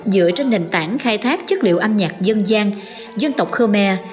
dựa trên nền tảng khai thác chất liệu âm nhạc dân gian dân tộc khmer